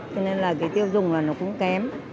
cho nên là cái tiêu dùng là nó cũng kém